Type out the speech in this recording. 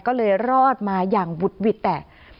ก็เลยรอดมาอย่างวุดหวิดแต่